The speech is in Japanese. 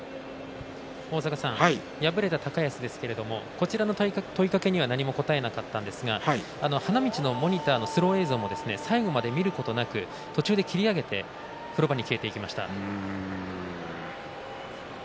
敗れた高安ですけれどこちらの問いかけには何も答えなかったんですが花道のモニターのスロー映像を最後まで見ることなく途中で切り上げて風呂場に消えていきました。